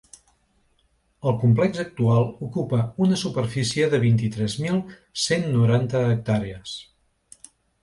El complex actual ocupa una superfície de vint-i-tres mil cent noranta hectàrees.